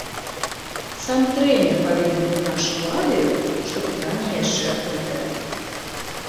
Сам трэнер паведаміў нашаму радыё, што пытанне яшчэ адкрытае.